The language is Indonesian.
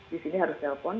di sini harus telpon